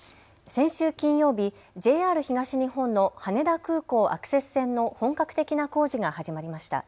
先週金曜日、ＪＲ東日本の羽田空港アクセス線の本格的な工事が始まりました。